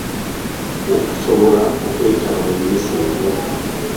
Okusobola okwetaba mu mmisa eno.